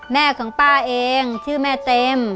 แม่ของป้าเองชื่อแม่เต็ม